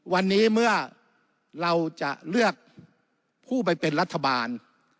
วันนี้เมื่อเราจะเลือกผู้ไปเป็นรัฐบาล